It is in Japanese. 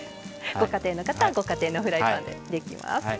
ご家庭の方はご家庭のフライパンでできます。